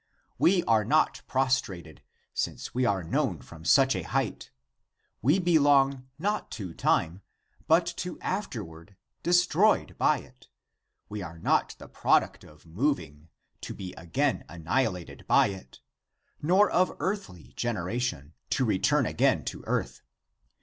We are not prostrated, since we are known from such a height. We belong not to time, to be afterward destroyed by it. We are not the product of moving, to be again annihilated by it, nor of earthly generation, to return again (to earth).